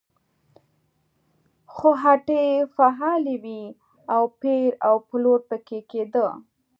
خو هټۍ فعالې وې او پېر و پلور پکې کېده.